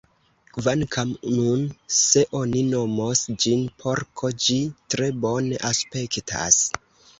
Kvankam nun, se oni nomos ĝin porko, ĝi tre bone aspektas.